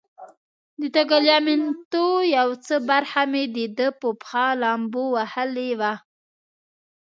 د تګلیامنتو یو څه برخه مې د ده په پښه لامبو وهلې وه.